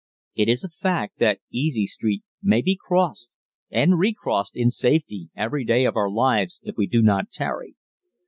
Now it is a fact that "Easy Street" may be crossed and recrossed in safety every day of our lives if we do not tarry.